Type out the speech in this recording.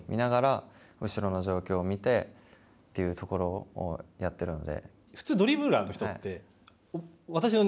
というところをやっているので。